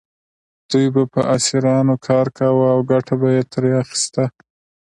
دوی به په اسیرانو کار کاوه او ګټه یې ترې اخیسته.